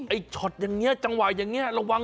ช็อตอย่างนี้จังหวะอย่างนี้ระวัง